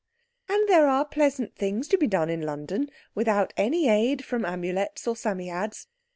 And there are pleasant things to be done in London without any aid from Amulets or Psammeads.